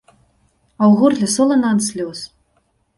А ў горле солана ад слёз.